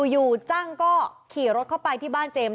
อยู่จังก็ขี่รถเข้าไปที่บ้านเจมส์